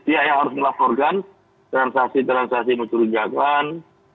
dia yang harus melaporkan transaksi transaksi mencuri jagaan